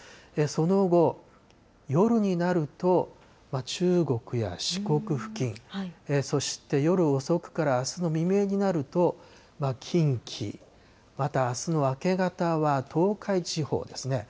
その後、夜になると、中国や四国付近、そして夜遅くからあすの未明になると、近畿、またあすの明け方は東海地方ですね。